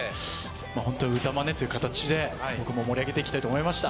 ホント歌まねという形で僕も盛り上げて行きたいと思いました。